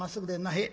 へえ。